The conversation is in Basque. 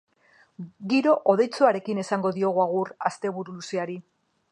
Giro hodeitsuarekin esango diogu agur asteburu luzeari.